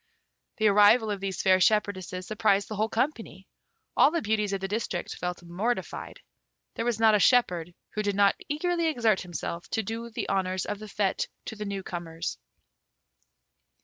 The arrival of these fair shepherdesses surprised the whole company. All the beauties of the district felt mortified. There was not a shepherd who did not eagerly exert himself to do the honours of the fête to the new comers.